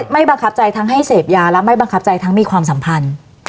บังคับใจทั้งให้เสพยาและไม่บังคับใจทั้งมีความสัมพันธ์